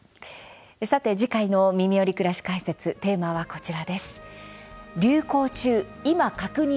さて、次回の「みみより！くらし解説」テーマはこちらです。